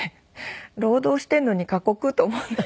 労働してんのに過酷と思って。